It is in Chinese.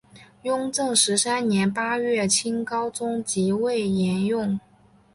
雍正十三年八月清高宗即位沿用。